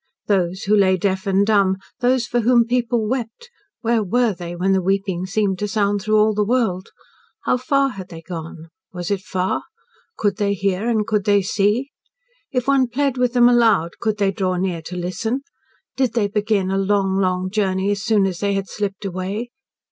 Those who lay deaf and dumb, those for whom people wept where were they when the weeping seemed to sound through all the world? How far had they gone? Was it far? Could they hear and could they see? If one plead with them aloud, could they draw near to listen? Did they begin a long, long journey as soon as they had slipped away?